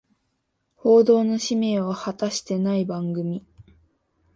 報道の使命を果たしてない番組